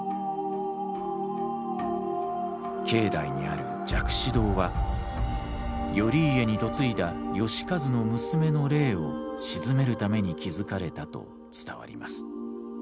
境内にある蛇苦止堂は頼家に嫁いだ能員の娘の霊を鎮めるために築かれたと伝わります。